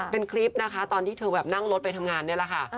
เป็นคลิปนะคะตอนที่เธอแบบนั่งรถไปทำงานนี่แหละค่ะ